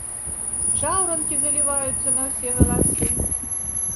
Жаўранкі заліваюцца на ўсе галасы.